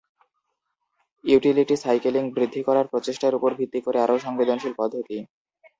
Utility cycling বৃদ্ধি করার প্রচেষ্টার উপর ভিত্তি করে আরও সংবেদনশীল পদ্ধতি।